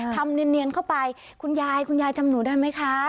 ทำเนียนเข้าไปคุณยายคุณยายจำหนูได้ไหมคะ